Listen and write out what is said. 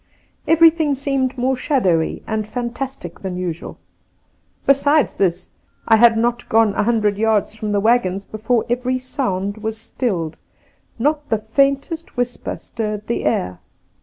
Everything seemed more shadowy and fantastic than usual. Besides this, I had not gone a hundred yards from the waggons before every sound was stiUed ; not the faintest whisper stirred the air.